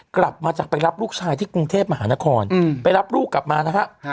กลับมาจากไปรับลูกชายที่กรุงเทพมหานครไปรับลูกกลับมานะฮะ